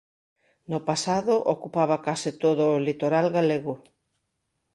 No pasado ocupaba case todo o litoral galego.